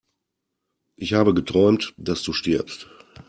Ich habe geträumt, dass du stirbst!